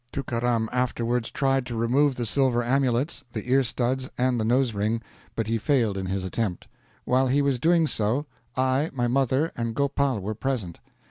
Tookaram afterwards tried to remove the silver amulets, the ear studs, and the nose ring; but he failed in his attempt. While he was doing so, I, my mother, and Gopal were present.